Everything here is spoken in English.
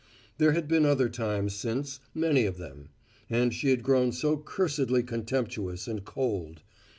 There had been other times since, many of them. And she had grown so cursedly contemptuous and cold.